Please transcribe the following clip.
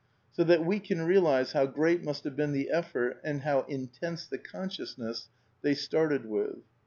So that we can realize how great must have been the effort and how in tense the consciousness they started with.